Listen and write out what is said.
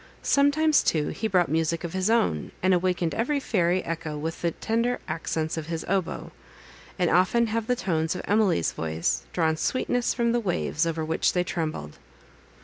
Sometimes, too, he brought music of his own, and awakened every fairy echo with the tender accents of his oboe; and often have the tones of Emily's voice drawn sweetness from the waves, over which they trembled.